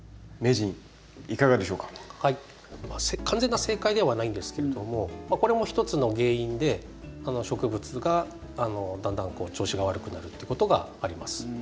完全な正解ではないんですけれどもこれもひとつの原因で植物がだんだん調子が悪くなるっていうことがあります。